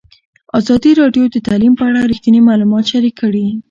ازادي راډیو د تعلیم په اړه رښتیني معلومات شریک کړي.